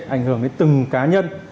ảnh hưởng đến từng cá nhân